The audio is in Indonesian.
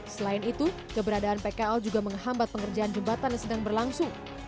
selain itu keberadaan pkl juga menghambat pengerjaan jembatan yang sedang berlangsung